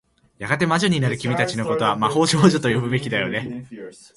やがて魔女になる君たちの事は、魔法少女と呼ぶべきだよね。